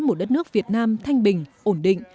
một đất nước việt nam thanh bình ổn định